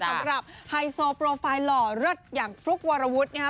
สำหรับไฮโซโปรไฟล์หล่อเลือดอย่างฟลุกวารวุฒินะครับ